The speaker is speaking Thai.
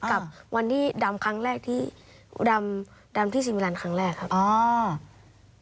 กับวันที่ดำที่สิบนิลันท์ครั้งแรกครับ